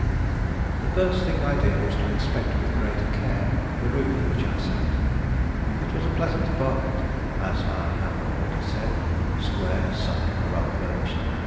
The first thing I did was to inspect with greater care the room in which I sat. It was a pleasant apartment, as I have already said; square, sunny, and well furnished.